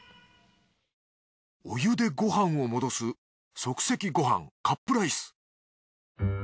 お湯でご飯を戻す即席ご飯カップライス